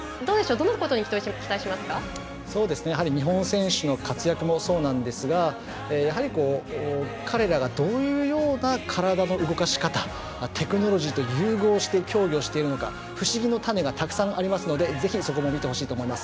どんなことに日本選手の活躍もそうなんですがやはり、彼らがどういうような体の動かしかたテクノロジーと融合して競技をしているのか不思議の種がたくさんありますのでぜひ、そこも見てほしいと思います。